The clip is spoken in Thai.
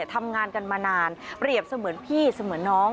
ทำงานกันมานานเปรียบเสมือนพี่เสมือนน้อง